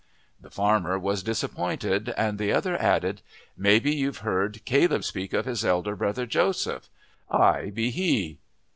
The farmer was disappointed, and the other added, "Maybe you've heard Caleb speak of his elder brother Joseph I be he."